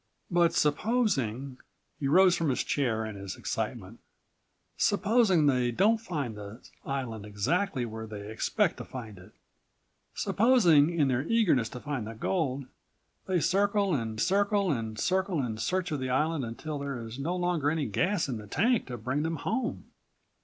"But supposing," he rose from his chair in his excitement, "supposing they don't find the island exactly where they expect to find it? Supposing, in their eagerness to find that gold, they circle and circle and circle in search of the island until there is no longer any gas in the tank to bring them home."